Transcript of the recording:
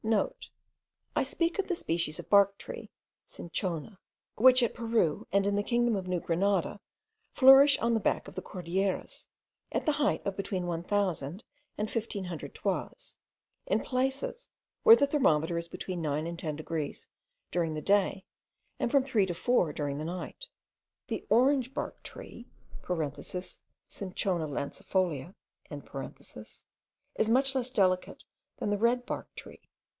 (* I speak of the species of bark tree (cinchona), which at Peru, and in the kingdom of New Granada, flourish on the back of the Cordilleras, at the height of between 1000 and 1500 toises, in places where the thermometer is between nine and ten degrees during the day, and from three to four during the night. The orange bark tree (Cinchona lancifolia) is much less delicate than the red bark tree (C.